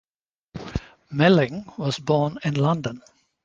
Melling was born in London.